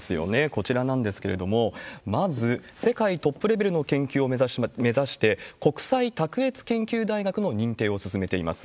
こちらなんですけれども、まず、世界トップレベルの研究を目指しまして、国際卓越研究大学の認定を進めています。